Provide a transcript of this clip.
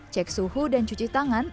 cek suhu dan cuci tangan